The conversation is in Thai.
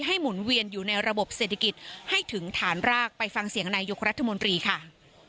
หมุนเวียนอยู่ในระบบเศรษฐกิจให้ถึงฐานรากไปฟังเสียงนายกรัฐมนตรีค่ะ